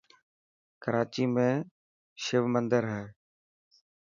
ڪراچي ۾ شو مندر هي.